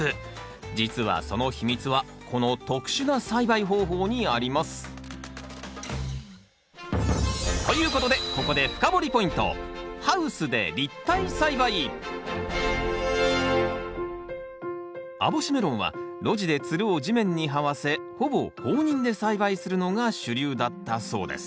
実はその秘密はこの特殊な栽培方法にあります。ということでここで網干メロンは露地でつるを地面に這わせほぼ放任で栽培するのが主流だったそうです。